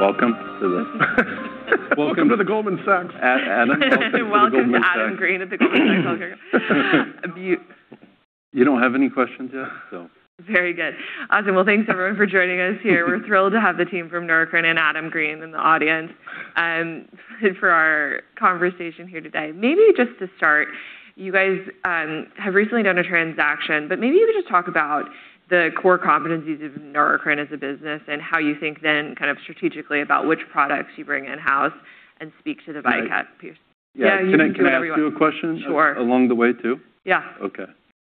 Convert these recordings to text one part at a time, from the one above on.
Welcome to the- Welcome to the Goldman Sachs. At Adam. Welcome to Adam Green at the Goldman Sachs healthcare conference. You don't have any questions yet? Very good. Awesome. Well, thanks everyone for joining us here. We're thrilled to have the team from Neurocrine and Adam Green in the audience for our conversation here today. Maybe just to start, you guys have recently done a transaction, but maybe if you could just talk about the core competencies of Neurocrine as a business and how you think then strategically about which products you bring in-house and speak to the VYKAT piece. Yeah. Yeah, you can do whatever you want. Can I ask you a question? Sure. Along the way, too? Yeah. Okay.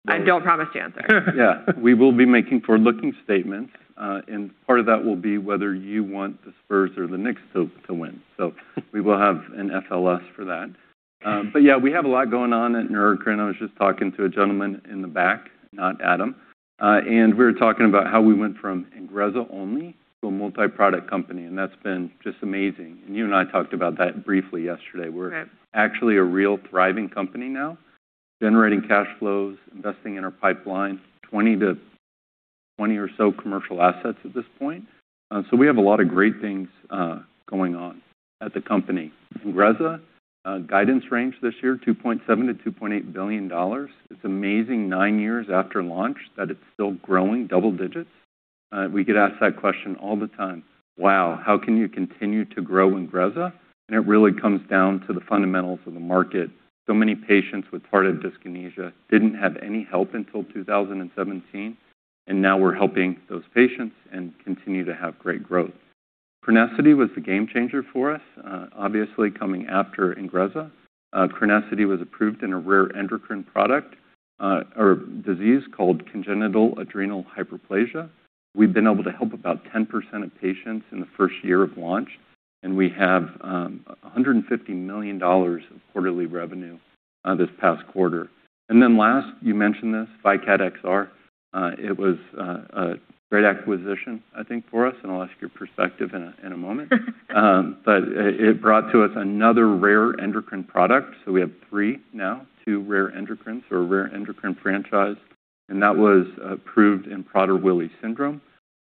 I don't promise to answer. We will be making forward-looking statements, and part of that will be whether you want the Spurs or the Knicks to win. We will have an FLS for that. We have a lot going on at Neurocrine. I was just talking to a gentleman in the back, not Adam, and we were talking about how we went from INGREZZA only to a multi-product company, and that's been just amazing. You and I talked about that briefly yesterday. Right. We're actually a real thriving company now, generating cash flows, investing in our pipeline, 20 or so commercial assets at this point. We have a lot of great things going on at the company. INGREZZA guidance range this year, $2.7 billion-$2.8 billion. It's amazing, nine years after launch, that it's still growing double digits. We get asked that question all the time. Wow, how can you continue to grow INGREZZA? It really comes down to the fundamentals of the market. Many patients with tardive dyskinesia didn't have any help until 2017, and now we're helping those patients and continue to have great growth. Crenessity was the game changer for us, obviously coming after INGREZZA. Crenessity was approved in a rare endocrine product, or disease called congenital adrenal hyperplasia. We've been able to help about 10% of patients in the first year of launch. We have $150 million of quarterly revenue this past quarter. Last, you mentioned this, VYKAT XR. It was a great acquisition, I think, for us, and I'll ask your perspective in a moment. It brought to us another rare endocrine product. We have three now, two rare endocrines or rare endocrine franchise, and that was approved in Prader-Willi syndrome.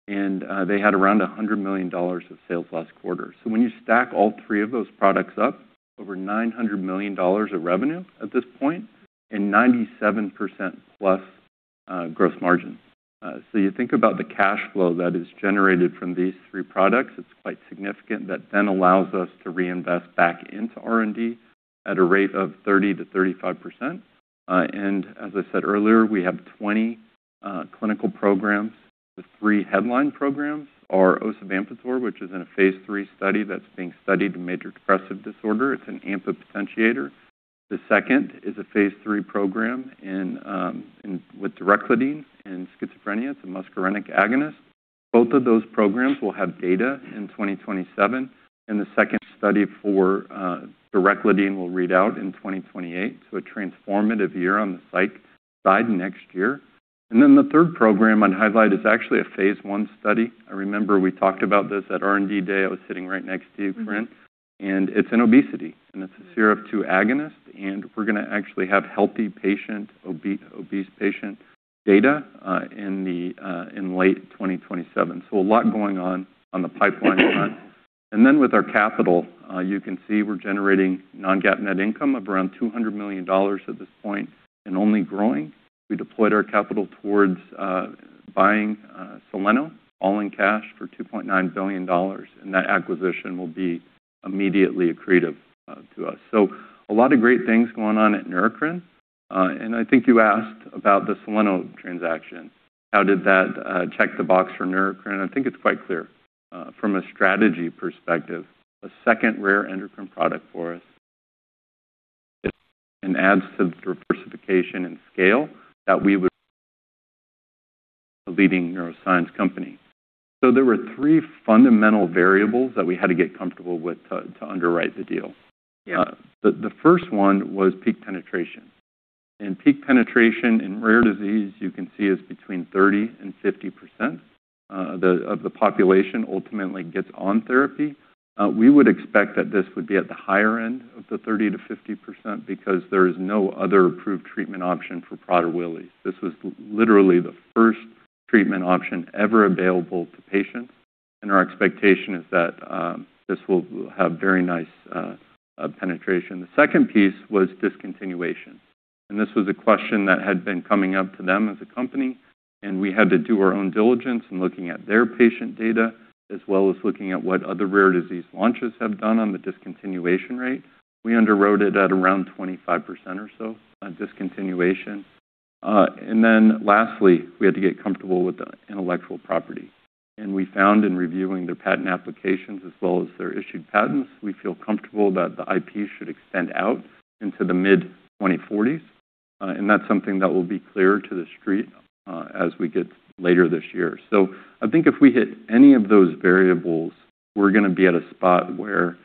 They had around $100 million of sales last quarter. When you stack all three of those products up, over $900 million of revenue at this point and 97% plus gross margin. You think about the cash flow that is generated from these three products, it's quite significant. That allows us to reinvest back into R&D at a rate of 30%-35%. As I said earlier, we have 20 clinical programs. The three headline programs are osavampator, which is in a phase III study that's being studied in major depressive disorder. It's an AMPA potentiator. The second is a phase III program with dureclidine in schizophrenia. It's a muscarinic agonist. Both of those programs will have data in 2027, and the second study for dureclidine will read out in 2028, so a transformative year on the psych side next year. The third program I'd highlight is actually a phase I study. I remember we talked about this at R&D Day. I was sitting right next to you, Corinne. It's in obesity, and it's a 5-HT2A agonist, and we're going to actually have healthy patient, obese patient data in late 2027. A lot going on on the pipeline front. With our capital, you can see we're generating non-GAAP net income of around $200 million at this point and only growing. We deployed our capital towards buying Soleno, all in cash for $2.9 billion, and that acquisition will be immediately accretive to us. A lot of great things going on at Neurocrine. I think you asked about the Soleno transaction. How did that check the box for Neurocrine? I think it's quite clear. From a strategy perspective, a second rare endocrine product for us and adds to the diversification and scale that we would a leading neuroscience company. There were three fundamental variables that we had to get comfortable with to underwrite the deal. Yeah. The first one was peak penetration. Peak penetration in rare disease, you can see, is between 30%-50% of the population ultimately gets on therapy. We would expect that this would be at the higher end of the 30%-50% because there is no other approved treatment option for Prader-Willi. This was literally the first treatment option ever available to patients, and our expectation is that this will have very nice penetration. The second piece was discontinuation, and this was a question that had been coming up to them as a company. We had to do our own diligence in looking at their patient data as well as looking at what other rare disease launches have done on the discontinuation rate. We underwrote it at around 25% or so on discontinuation. Lastly, we had to get comfortable with the intellectual property. We found in reviewing their patent applications as well as their issued patents, we feel comfortable that the IP should extend out into the mid-2040s. That's something that will be clear to the street as we get later this year. I think if we hit any of those variables, we're going to be at a spot where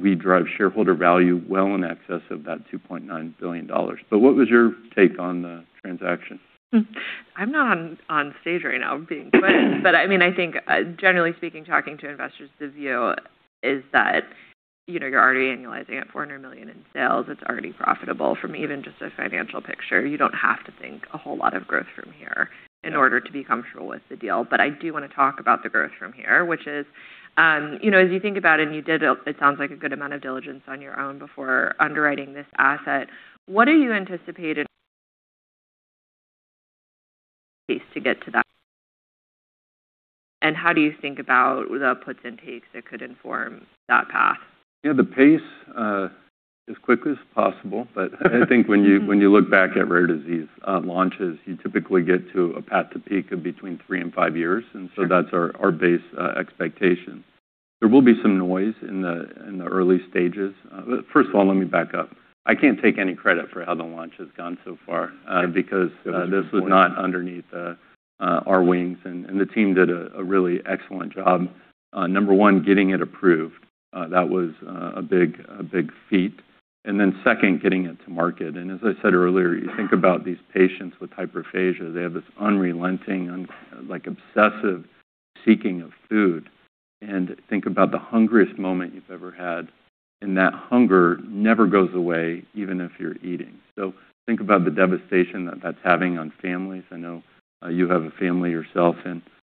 we drive shareholder value well in excess of that $2.9 billion. What was your take on the transaction? I'm not on stage right now being questioned, but I think generally speaking, talking to investors, the view is that you're already annualizing at $400 million in sales. It's already profitable from even just a financial picture. You don't have to think a whole lot of growth from here in order to be comfortable with the deal. I do want to talk about the growth from here, which is, as you think about it, and you did, it sounds like, a good amount of diligence on your own before underwriting this asset. What are you anticipating pace to get to that? How do you think about the puts and takes that could inform that path? The pace, as quickly as possible. I think when you look back at rare disease launches, you typically get to a path to peak of between three and five years, and so that's our base expectation. There will be some noise in the early stages. First of all, let me back up. I can't take any credit for how the launch has gone so far because this was not underneath our wings, and the team did a really excellent job. Number one, getting it approved. That was a big feat. Second, getting it to market. As I said earlier, you think about these patients with hyperphagia, they have this unrelenting, obsessive seeking of food. Think about the hungriest moment you've ever had, and that hunger never goes away, even if you're eating. So think about the devastation that that's having on families. I know you have a family yourself,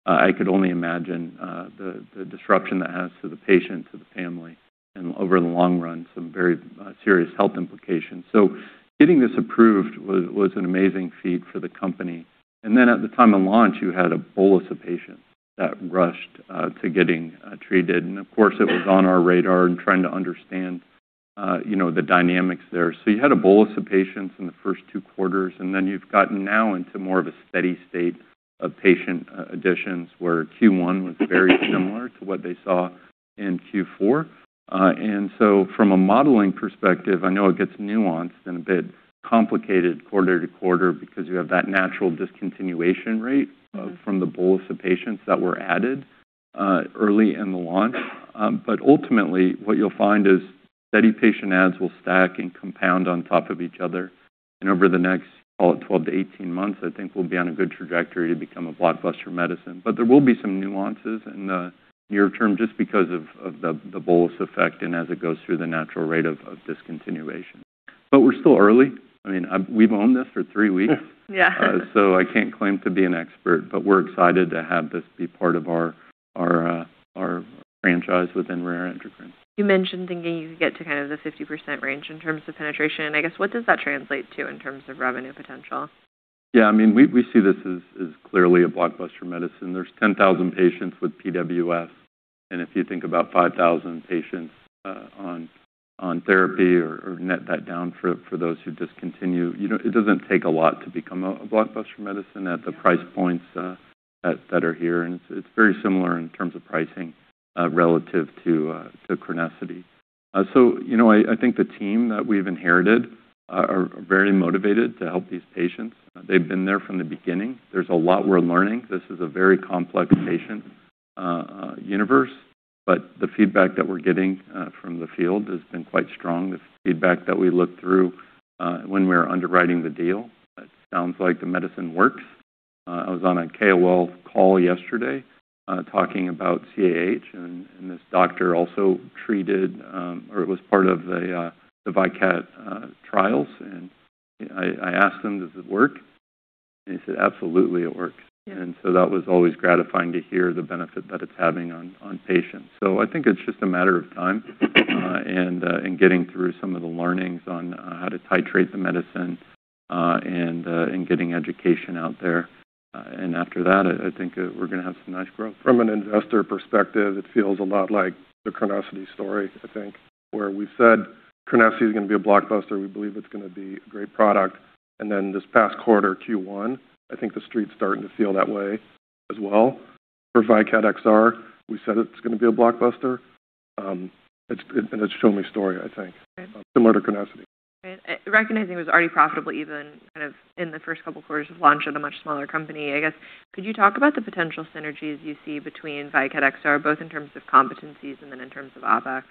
I could only imagine the disruption that has to the patient, to the family, and over the long run, some very serious health implications. Getting this approved was an amazing feat for the company. At the time of launch, you had a bolus of patients that rushed to getting treated. Of course, it was on our radar and trying to understand the dynamics there. You had a bolus of patients in the first two quarters, you've gotten now into more of a steady state of patient additions, where Q1 was very similar to what they saw in Q4. From a modeling perspective, I know it gets nuanced and a bit complicated quarter to quarter because you have that natural discontinuation rate from the bolus of patients that were added early in the launch. Ultimately, what you'll find is steady patient adds will stack and compound on top of each other. Over the next, call it 12-18 months, I think we'll be on a good trajectory to become a blockbuster medicine. There will be some nuances in the near term just because of the bolus effect and as it goes through the natural rate of discontinuation. We're still early. We've owned this for three weeks. Yeah. I can't claim to be an expert, we're excited to have this be part of our franchise within rare endocrine. You mentioned thinking you could get to the 50% range in terms of penetration. I guess, what does that translate to in terms of revenue potential? Yeah, we see this as clearly a blockbuster medicine. There's 10,000 patients with PWS, and if you think about 5,000 patients on therapy or net that down for those who discontinue, it doesn't take a lot to become a blockbuster medicine at the price points that are here, and it's very similar in terms of pricing relative to CRENESSITY I think the team that we've inherited are very motivated to help these patients. They've been there from the beginning. There's a lot we're learning. This is a very complex patient universe. The feedback that we're getting from the field has been quite strong. The feedback that we looked through when we were underwriting the deal, it sounds like the medicine works. I was on a KOL call yesterday talking about CAH. This doctor also treated, or was part of the VYKAT trials, and I asked him, does it work? He said, absolutely, it works. Yeah. That was always gratifying to hear the benefit that it's having on patients. I think it's just a matter of time and getting through some of the learnings on how to titrate the medicine, and getting education out there. After that, I think we're going to have some nice growth. From an investor perspective, it feels a lot like theCRENESSITY story, I think, where we said CRENESSITY is going to be a blockbuster. We believe it's going to be a great product. Then this past quarter, Q1, I think the street's starting to feel that way as well. For VYKAT XR, we said it's going to be a blockbuster, and it's a show-me story, I think. Right. Similar to CRENESSITY. Right. Recognizing it was already profitable even in the first couple quarters of launch at a much smaller company, I guess, could you talk about the potential synergies you see between VYKAT XR, both in terms of competencies and then in terms of OpEx?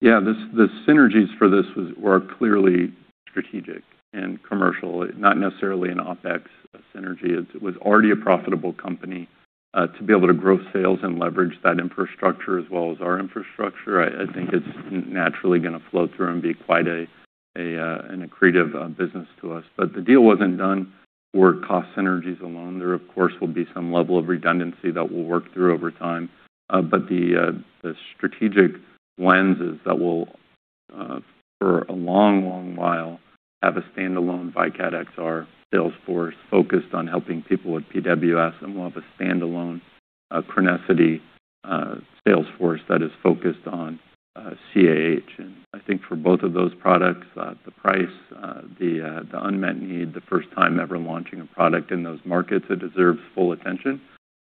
Yeah. The synergies for this work clearly strategic and commercial, not necessarily an OpEx synergy. It was already a profitable company. To be able to grow sales and leverage that infrastructure as well as our infrastructure, I think it's naturally going to flow through and be quite an accretive business to us. The deal wasn't done for cost synergies alone. There, of course, will be some level of redundancy that we'll work through over time. The strategic lens is that we'll, for a long while, have a standalone VYKAT XR sales force focused on helping people with PWS, and we'll have a standalone CRENESSITY sales force that is focused on CAH. I think for both of those products, the price, the unmet need, the first time ever launching a product in those markets, it deserves full attention,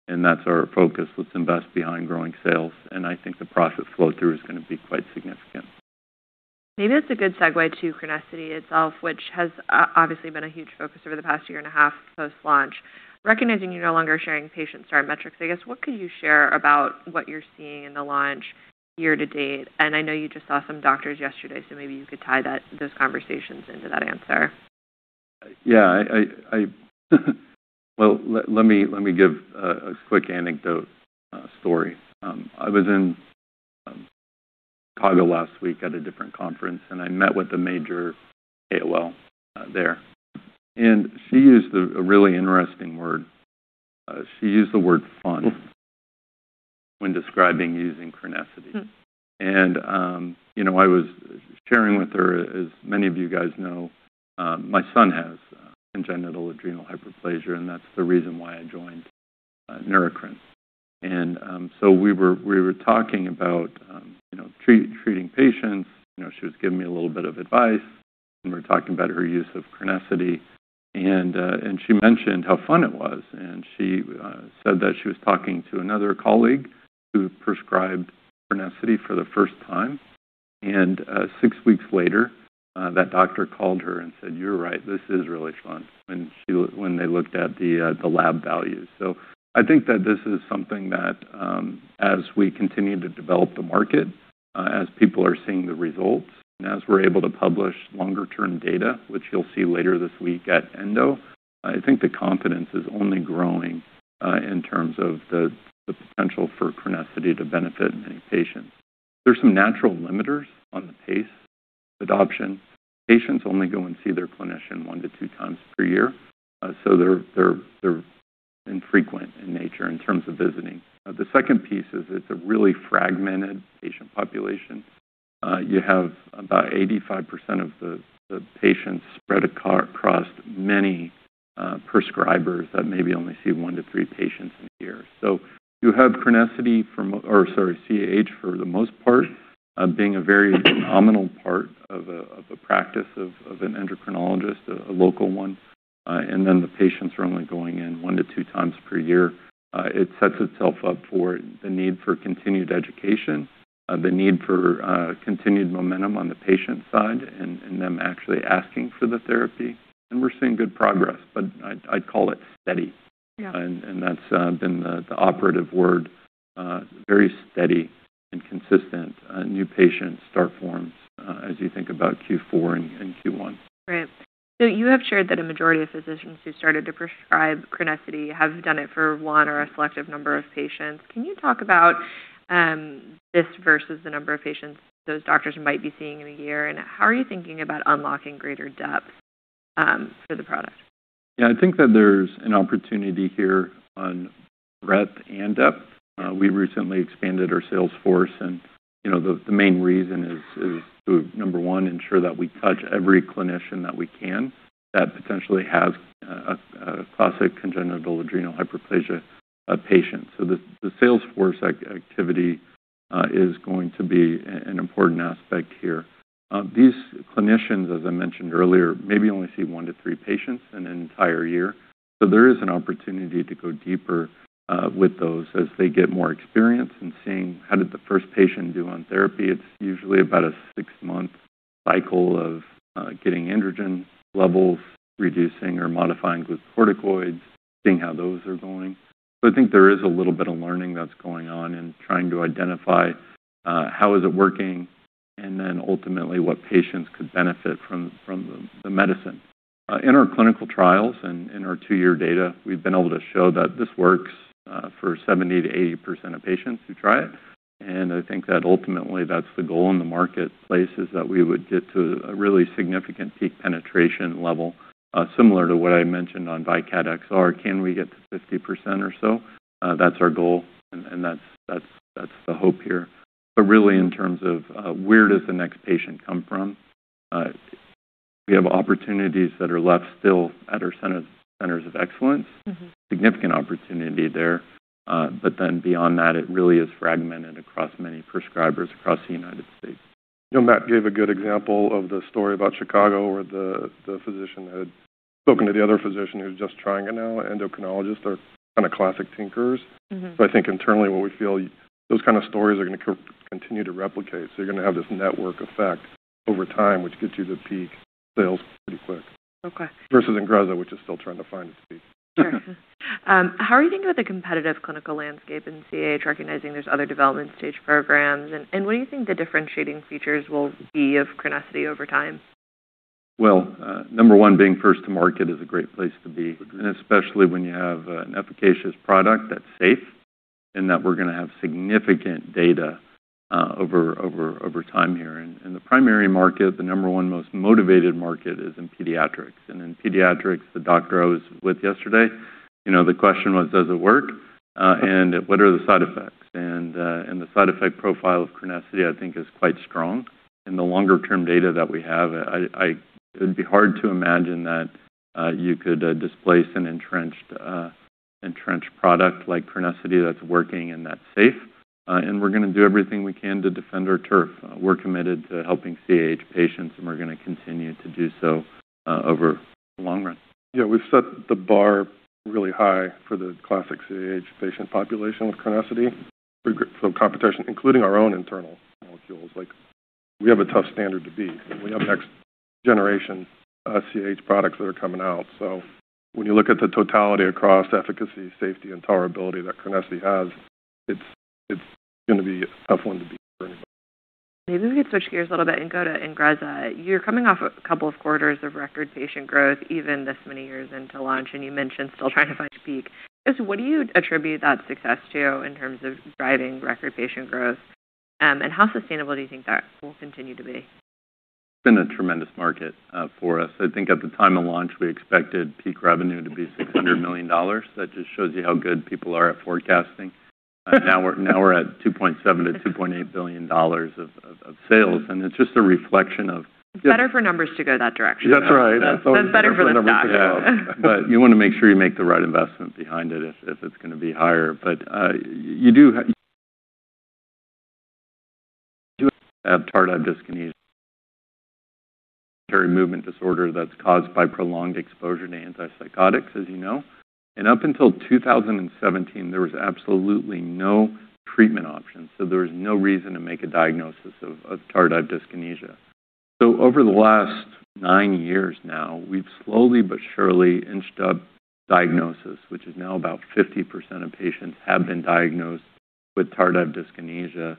and that's our focus with some best behind growing sales, and I think the profit flow through is going to be quite significant. Maybe that's a good segue toCRENESSITY itself, which has obviously been a huge focus over the past year and a half post-launch. Recognizing you're no longer sharing patient start metrics, I guess, what could you share about what you're seeing in the launch year to date? I know you just saw some doctors yesterday, so maybe you could tie those conversations into that answer. Well, let me give a quick anecdote story. I was in Chicago last week at a different conference. I met with a major KOL there, and she used a really interesting word. She used the word fun when describing using CRENESSITY I was sharing with her, as many of you guys know, my son has congenital adrenal hyperplasia, and that's the reason why I joined Neurocrine. We were talking about treating patients. She was giving me a little bit of advice, and we were talking about her use of CRENESSITY. She mentioned how fun it was. She said that she was talking to another colleague who prescribed CRENESSITYfor the first time. Six weeks later, that doctor called her and said, you're right, this is really fun. When they looked at the lab values. I think that this is something that as we continue to develop the market, as people are seeing the results, and as we're able to publish longer-term data, which you'll see later this week at ENDO, I think the confidence is only growing in terms of the potential for CRENESSITY to benefit many patients. There are some natural limiters on the pace of adoption. Patients only go and see their clinician one to two times per year. They're infrequent in nature in terms of visiting. The second piece is it's a really fragmented patient population. You have about 85% of the patients spread across many prescribers that maybe only see one to three patients in a year. You have CRENESSITY, or sorry, CAH, for the most part, being a very nominal part of a practice of an endocrinologist, a local one, and then the patients are only going in one to two times per year. It sets itself up for the need for continued education, the need for continued momentum on the patient side and them actually asking for the therapy. We're seeing good progress, but I'd call it steady. Yeah. That's been the operative word. Very steady and consistent new patient start forms as you think about Q4 and Q1. You have shared that a majority of physicians who started to prescribe CRENESSITY have done it for one or a selective number of patients. Can you talk about this versus the number of patients those doctors might be seeing in a year? How are you thinking about unlocking greater depth for the product? I think that there's an opportunity here on breadth and depth. We recently expanded our sales force, and the main reason is to, number one, ensure that we touch every clinician that we can that potentially has a classic congenital adrenal hyperplasia patient. The sales force activity is going to be an important aspect here. These clinicians, as I mentioned earlier, maybe only see one to three patients in an entire year. There is an opportunity to go deeper with those as they get more experience in seeing how did the first patient do on therapy. It's usually about a six-month cycle of getting androgen levels, reducing or modifying glucocorticoids, seeing how those are going. I think there is a little bit of learning that's going on in trying to identify how is it working and then ultimately what patients could benefit from the medicine. In our clinical trials and in our two-year data, we've been able to show that this works for 70%-80% of patients who try it. I think that ultimately that's the goal in the marketplace is that we would get to a really significant peak penetration level, similar to what I mentioned on VYKAT XR. Can we get to 50% or so? That's our goal, and that's the hope here. Really, in terms of where does the next patient come from, we have opportunities that are left still at our centers of excellence. Significant opportunity there. Beyond that, it really is fragmented across many prescribers across the United States. Matt gave a good example of the story about Chicago, where the physician had spoken to the other physician who's just trying it now. Endocrinologists are kind of classic thinkers. I think internally what we feel, those kind of stories are going to continue to replicate. You're going to have this network effect over time, which gets you to peak sales pretty quick. Okay. Versus INGREZZA, which is still trying to find its peak. Sure. How are you thinking about the competitive clinical landscape in CAH, recognizing there's other development stage programs? What do you think the differentiating features will be ofCRENESSITY over time? Well, number one, being first to market is a great place to be. Especially when you have an efficacious product that's safe and that we're going to have significant data over time here. The primary market, the number one most motivated market is in pediatrics. In pediatrics, the doctor I was with yesterday, the question was: Does it work? What are the side effects? The side effect profile of CRENESSITY, I think, is quite strong. In the longer-term data that we have, it'd be hard to imagine that you could displace an entrenched product like CRENESSITY that's working and that's safe. We're going to do everything we can to defend our turf. We're committed to helping CAH patients, and we're going to continue to do so over the long run. Yeah. We've set the bar really high for the classic CAH patient population with CRENESSITY. Competition, including our own internal molecules, we have a tough standard to beat. We have next-generation CAH products that are coming out. When you look at the totality across efficacy, safety, and tolerability that CRENESSITY has, it's going to be a tough one to beat for anybody. Maybe we could switch gears a little bit and go to INGREZZA. You're coming off a couple of quarters of record patient growth, even this many years into launch, and you mentioned still trying to find peak. What do you attribute that success to in terms of driving record patient growth? How sustainable do you think that will continue to be? It's been a tremendous market for us. I think at the time of launch, we expected peak revenue to be $600 million. That just shows you how good people are at forecasting. Now we're at $2.7 billion-$2.8 billion of sales, and it's just a reflection of- It's better for numbers to go that direction. That's right. That's better for the stock. You want to make sure you make the right investment behind it if it's going to be higher. You do have tardive dyskinesia, a movement disorder that's caused by prolonged exposure to antipsychotics, as you know. Up until 2017, there was absolutely no treatment option, so there was no reason to make a diagnosis of tardive dyskinesia. Over the last nine years now, we've slowly but surely inched up diagnosis, which is now about 50% of patients have been diagnosed with tardive dyskinesia.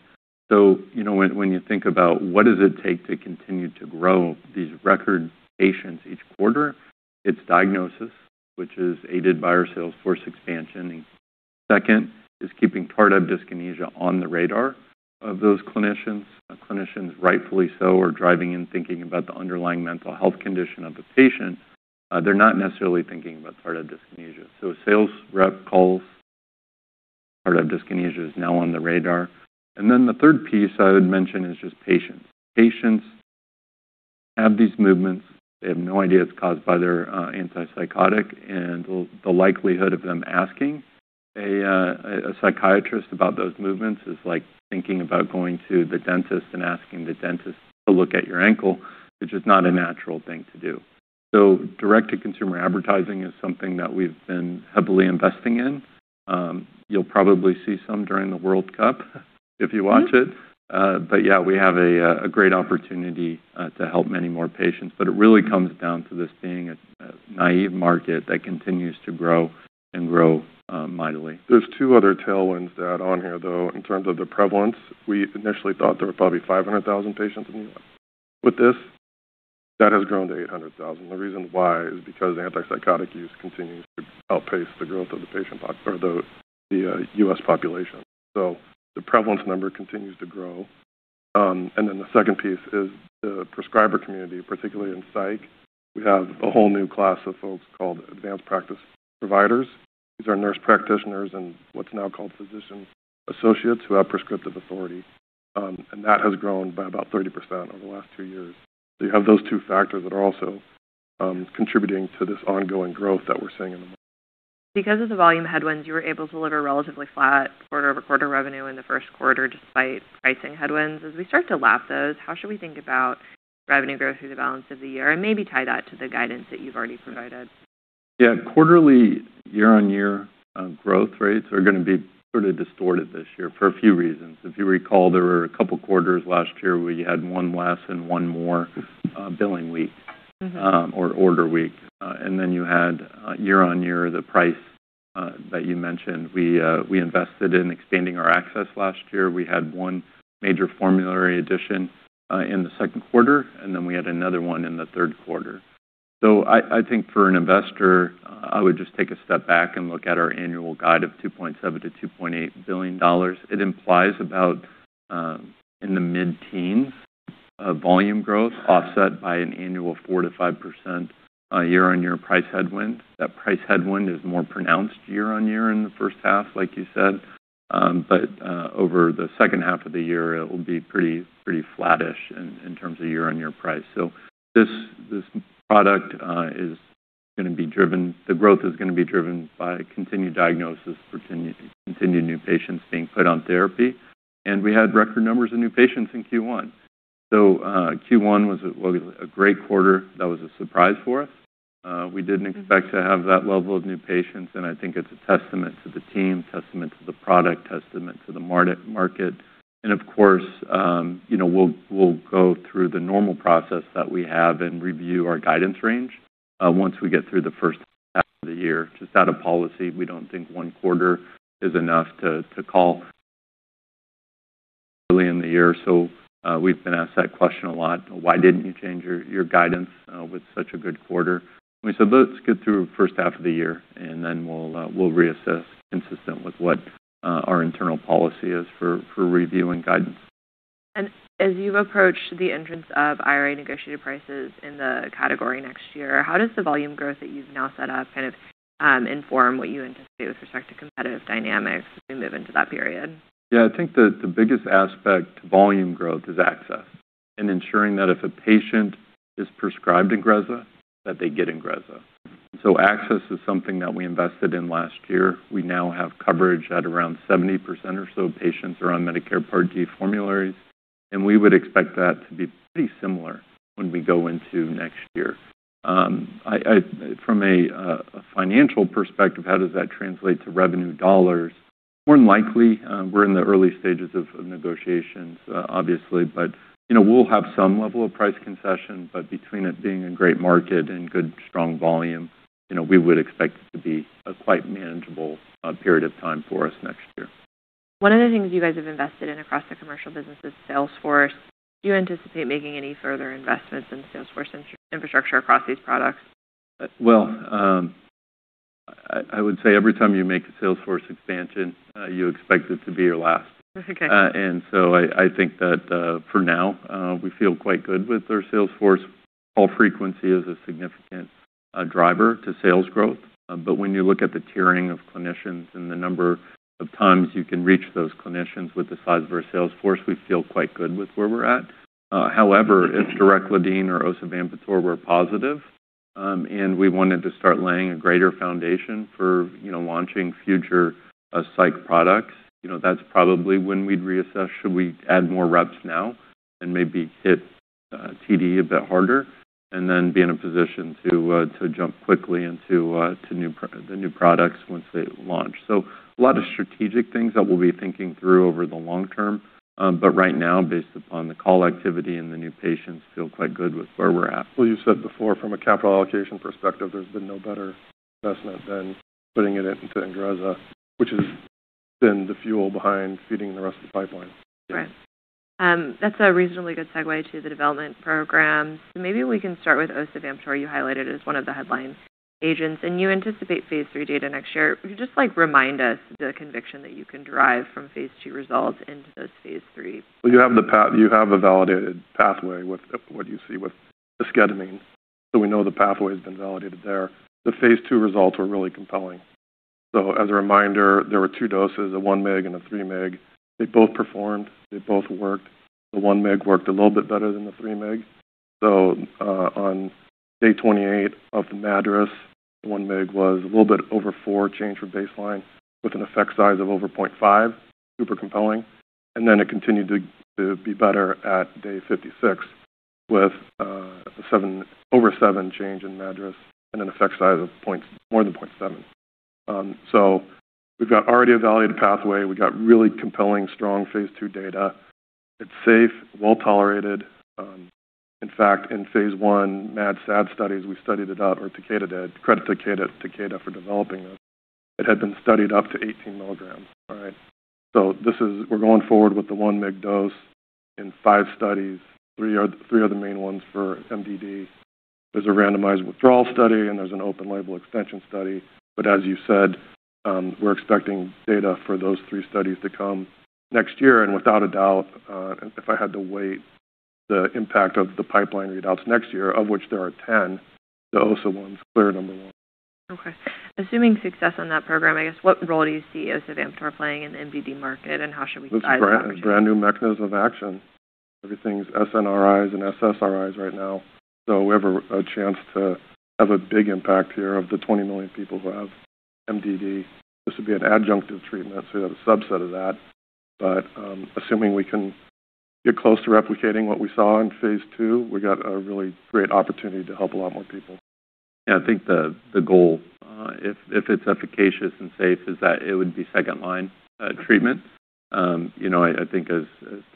When you think about what does it take to continue to grow these record patients each quarter, it's diagnosis, which is aided by our sales force expansion. Second is keeping tardive dyskinesia on the radar of those clinicians. Clinicians, rightfully so, are driving and thinking about the underlying mental health condition of the patient. They're not necessarily thinking about tardive dyskinesia. A sales rep calls, tardive dyskinesia is now on the radar. The third piece I would mention is just patients. Patients have these movements. They have no idea it's caused by their antipsychotic. The likelihood of them asking a psychiatrist about those movements is like thinking about going to the dentist and asking the dentist to look at your ankle. It's just not a natural thing to do. Direct-to-consumer advertising is something that we've been heavily investing in. You'll probably see some during the World Cup, if you watch it. We have a great opportunity to help many more patients. It really comes down to this being a naive market that continues to grow and grow mightily. There's two other tailwinds that on here, though, in terms of the prevalence. We initially thought there were probably 500,000 patients in the U.S. with this. That has grown to 800,000. The reason why is because antipsychotic use continues to outpace the growth of the U.S. population. The prevalence number continues to grow. The second piece is the prescriber community, particularly in psych. We have a whole new class of folks called advanced practice providers. These are nurse practitioners and what's now called physician associates who have prescriptive authority. That has grown by about 30% over the last two years. You have those two factors that are also contributing to this ongoing growth that we're seeing in the market. Because of the volume headwinds, you were able to deliver relatively flat quarter-over-quarter revenue in the first quarter, despite pricing headwinds. As we start to lap those, how should we think about revenue growth through the balance of the year? Maybe tie that to the guidance that you've already provided. Yeah. Quarterly year-on-year growth rates are going to be sort of distorted this year for a few reasons. If you recall, there were a couple quarters last year where you had one less and one more billing week or order week. Then you had year-on-year, the price that you mentioned. We invested in expanding our access last year. We had one major formulary addition in the second quarter, then we had another one in the third quarter. I think for an investor, I would just take a step back and look at our annual guide of $2.7 billion-$2.8 billion. It implies about in the mid-teens volume growth offset by an annual 4%-5% year-on-year price headwind. That price headwind is more pronounced year-on-year in the first half, like you said. Over the second half of the year, it will be pretty flat-ish in terms of year-on-year price. This product, the growth is going to be driven by continued diagnosis for continued new patients being put on therapy. And we had record numbers of new patients in Q1. Q1 was a great quarter. That was a surprise for us. We didn't expect to have that level of new patients. I think it's a testament to the team, testament to the product, testament to the market. Of course, we'll go through the normal process that we have and review our guidance range once we get through the first half of the year. Just out of policy, we don't think one quarter is enough to call early in the year. We've been asked that question a lot. Why didn't you change your guidance with such a good quarter? Let's get through the first half of the year, and then we'll reassess consistent with what our internal policy is for reviewing guidance. As you've approached the entrance of IRA negotiated prices in the category next year, how does the volume growth that you've now set up kind of inform what you anticipate with respect to competitive dynamics as we move into that period? Yeah. I think the biggest aspect to volume growth is access and ensuring that if a patient is prescribed INGREZZA, that they get INGREZZA. Access is something that we invested in last year. We now have coverage at around 70% or so of patients who are on Medicare Part D formularies. We would expect that to be pretty similar when we go into next year. From a financial perspective, how does that translate to revenue dollars? More than likely, we're in the early stages of negotiations, obviously, but we'll have some level of price concession, but between it being a great market and good, strong volume, we would expect it to be a quite manageable period of time for us next year. One of the things you guys have invested in across the commercial business is sales force. Do you anticipate making any further investments in sales force infrastructure across these products? Well, I would say every time you make a sales force expansion, you expect it to be your last. Okay. I think that for now, we feel quite good with our sales force. Call frequency is a significant driver to sales growth. When you look at the tiering of clinicians and the number of times you can reach those clinicians with the size of our sales force, we feel quite good with where we're at. However, if dureclidine or osavampator were positive and we wanted to start laying a greater foundation for launching future psych products, that's probably when we'd reassess, should we add more reps now and maybe hit TD a bit harder and then be in a position to jump quickly into the new products once they launch. A lot of strategic things that we'll be thinking through over the long term. Right now, based upon the call activity and the new patients, feel quite good with where we're at. Well, you said before, from a capital allocation perspective, there's been no better investment than putting it into INGREZZA, which has been the fuel behind feeding the rest of the pipeline. Right. That's a reasonably good segue to the development program. Maybe we can start with osavampator you highlighted as one of the headline agents, and you anticipate phase III data next year. Could you just remind us the conviction that you can derive from phase II results into those phase III? You have a validated pathway with what you see with esketamine. We know the pathway has been validated there. The phase II results were really compelling. As a reminder, there were two doses, a 1 mg and a 3 mg. They both performed. They both worked. The 1 mg worked a little bit better than the 3 mg. On day 28 of the MADRS, the 1 mg was a little bit over four change from baseline with an effect size of over 0.5, super compelling. It continued to be better at day 56 with over seven change in MADRS and an effect size of more than 0.7. We've got already a validated pathway. We got really compelling, strong phase II data. It's safe, well-tolerated. In fact, in phase I, MADRS, SAD studies, we studied it out, or Takeda did. Credit Takeda for developing this. It had been studied up to 18 mg. We're going forward with the 1 mg dose in five studies. Three are the main ones for MDD. There's a randomized withdrawal study, and there's an open label extension study. As you said, we're expecting data for those three studies to come next year. Without a doubt, if I had to weight the impact of the pipeline readouts next year, of which there are 10, the [osa] one's clear number one. Okay. Assuming success on that program, I guess, what role do you see osavampator playing in the MDD market, and how should we size the opportunity? This is a brand new mechanism of action. Everything's SNRIs and SSRIs right now. We have a chance to have a big impact here of the 20 million people who have MDD. This would be an adjunctive treatment, so you have a subset of that. Assuming we can get close to replicating what we saw in phase II, we got a really great opportunity to help a lot more people. I think the goal, if it's efficacious and safe, is that it would be second-line treatment. As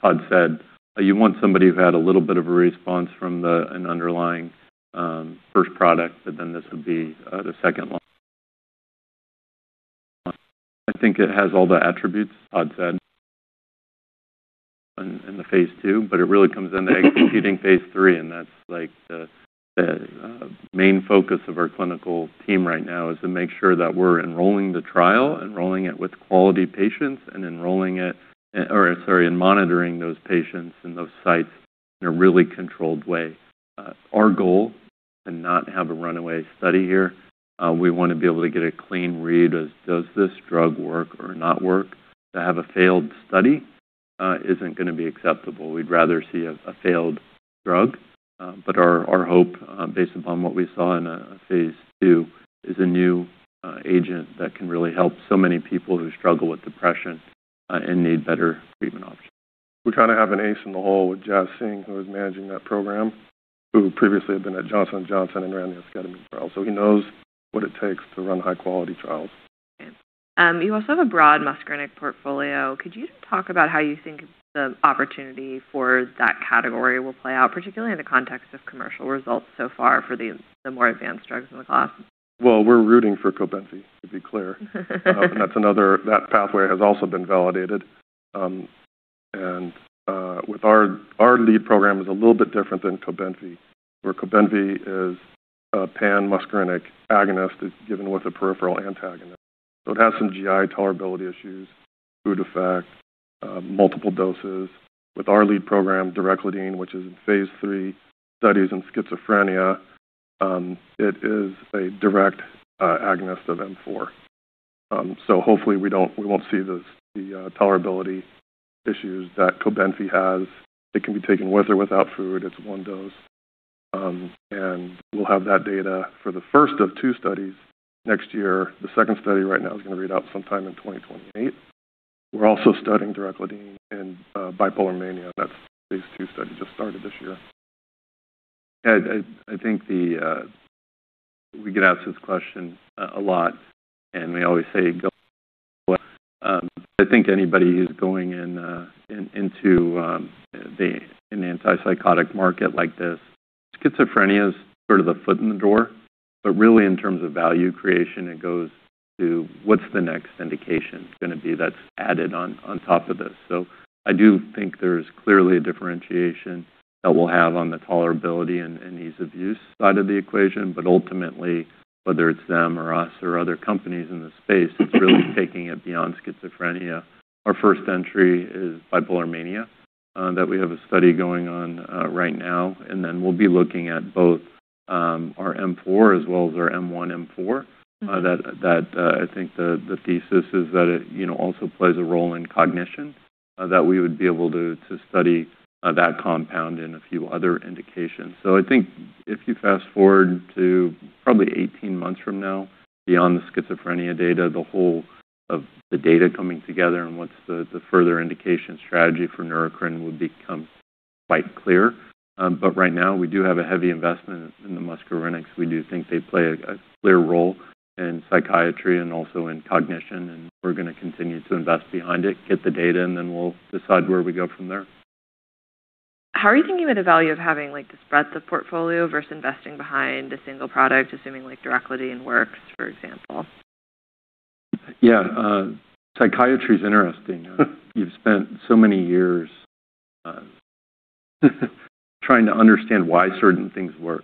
Todd said, you want somebody who had a little bit of a response from an underlying first product, this would be the second line. It has all the attributes Todd said in the phase II, it really comes into executing phase III, and that's the main focus of our clinical team right now is to make sure that we're enrolling the trial, enrolling it with quality patients, and enrolling it and monitoring those patients and those sites in a really controlled way. Our goal to not have a runaway study here. We want to be able to get a clean read as does this drug work or not work? To have a failed study isn't going to be acceptable. We'd rather see a failed drug. Our hope, based upon what we saw in a phase II, is a new agent that can really help so many people who struggle with depression and need better treatment options. We kind of have an ace in the hole with Jaskaran Singh, who is managing that program, who previously had been at Johnson & Johnson and ran the esketamine trial. He knows what it takes to run high-quality trials. Okay. You also have a broad muscarinic portfolio. Could you just talk about how you think the opportunity for that category will play out, particularly in the context of commercial results so far for the more advanced drugs in the class? Well, we're rooting for COBENFY, to be clear. That pathway has also been validated. Our lead program is a little bit different than COBENFY, where COBENFY is a pan-muscarinic agonist given with a peripheral antagonist. It has some GI tolerability issues, food effect, multiple doses. With our lead program, dureclidine, which is in phase III studies in schizophrenia, it is a direct agonist of M4. Hopefully we won't see the tolerability issues that COBENFY has. It can be taken with or without food. It's one dose. We'll have that data for the first of two studies next year. The second study right now is going to read out sometime in 2028. We're also studying dureclidine in bipolar mania. That phase II study just started this year. Yeah. We get asked this question a lot. We always say go well. I think anybody who's going into an antipsychotic market like this. Schizophrenia is sort of the foot in the door, but really in terms of value creation, it goes to what's the next indication going to be that's added on top of this. I do think there's clearly a differentiation that we'll have on the tolerability and ease of use side of the equation. Ultimately, whether it's them or us or other companies in the space, it's really taking it beyond schizophrenia. Our first entry is bipolar mania, that we have a study going on right now. Then we'll be looking at both our M4 as well as our M1/M4. That I think the thesis is that it also plays a role in cognition, that we would be able to study that compound in a few other indications. I think if you fast-forward to probably 18 months from now, beyond the schizophrenia data, the whole of the data coming together and what's the further indication strategy for Neurocrine would become quite clear. Right now, we do have a heavy investment in the muscarinic. We do think they play a clear role in psychiatry and also in cognition. We're going to continue to invest behind it, get the data. Then we'll decide where we go from there. How are you thinking about the value of having the breadth of portfolio versus investing behind a single product, assuming dureclidine works, for example? Yeah. Psychiatry is interesting. You've spent so many years trying to understand why certain things work,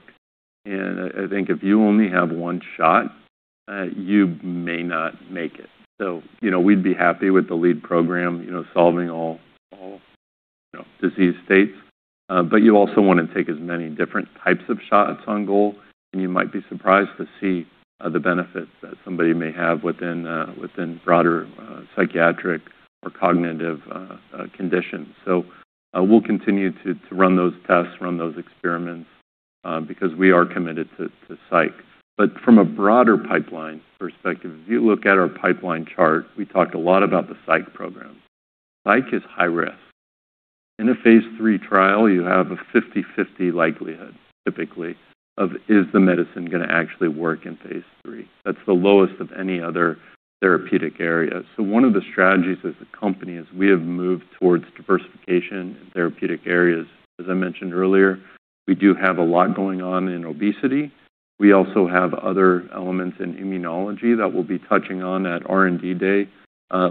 and I think if you only have one shot, you may not make it. We'd be happy with the lead program solving all disease states. You also want to take as many different types of shots on goal, and you might be surprised to see the benefits that somebody may have within broader psychiatric or cognitive conditions. We'll continue to run those tests, run those experiments, because we are committed to psych. From a broader pipeline perspective, if you look at our pipeline chart, we talked a lot about the psych program. Psych is high risk. In a phase III trial, you have a 50/50 likelihood typically of, is the medicine going to actually work in phase III? That's the lowest of any other therapeutic area. One of the strategies as a company is we have moved towards diversification in therapeutic areas. As I mentioned earlier, we do have a lot going on in obesity. We also have other elements in immunology that we'll be touching on at R&D Day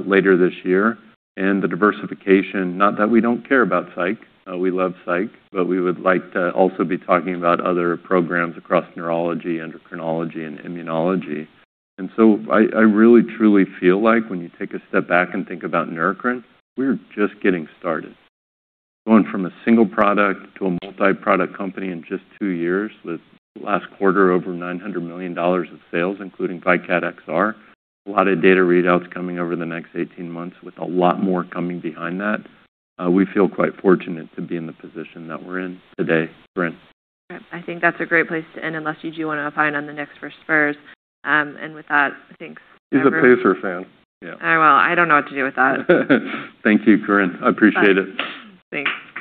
later this year. The diversification, not that we don't care about psych, we love psych, but we would like to also be talking about other programs across neurology, endocrinology, and immunology. I really truly feel like when you take a step back and think about Neurocrine, we're just getting started. Going from a single product to a multi-product company in just two years with last quarter over $900 million of sales, including VYKAT XR. A lot of data readouts coming over the next 18 months with a lot more coming behind that. We feel quite fortunate to be in the position that we're in today, Corinne. I think that's a great place to end, unless you do want to opine on the Knicks versus Spurs. With that, thanks, everyone. He's a Pacers fan. Yeah. Oh, well, I don't know what to do with that. Thank you, Corinne. I appreciate it. Thanks.